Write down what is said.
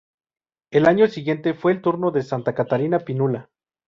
El año siguiente fue el turno de Santa Catarina Pinula.